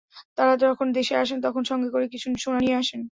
তাঁরা যখন দেশে আসেন, তখন সঙ্গে করে কিছু সোনা নিয়ে আসেন।